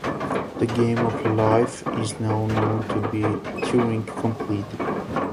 The Game of Life is now known to be Turing complete.